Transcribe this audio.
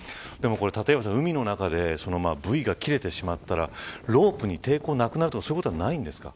立岩さん、海の中でブイが切れてしまったらロープに抵抗なくなるとかそういうことはないんですか。